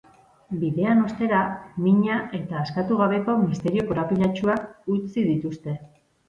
Bidean ostera, mina eta askatu gabeko misterio korapilatsuak utzi dituzte.